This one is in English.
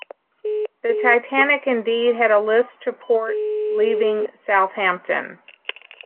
The "Titanic" indeed had a list to port leaving Southampton.